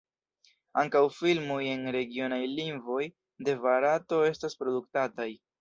Ankaŭ filmoj en regionaj lingvoj de Barato estas produktataj.